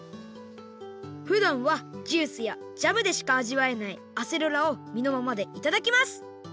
ふだんはジュースやジャムでしかあじわえないアセロラをみのままでいただきます！